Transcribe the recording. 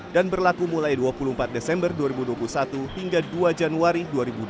dan berlaku mulai dua puluh empat desember dua ribu dua puluh satu hingga dua januari dua ribu dua puluh dua